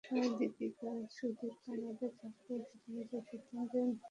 তাই দীপিকা সুদূর কানাডায় থাকলেও সেখানেই যাওয়ার সিদ্ধান্ত নিয়েছিলেন রণবীর সিং।